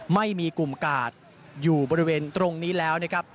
ไม่มีกลุ่มกาดอยู่บริเวณตรงนี้แล้วนะครับ